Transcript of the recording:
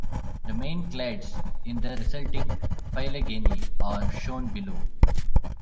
The main clades in the resulting phylogeny are shown below.